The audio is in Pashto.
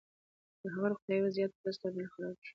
د هغه روغتيايي وضعيت ورځ تر بلې خراب شو.